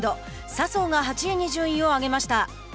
笹生が８位に順位を上げました。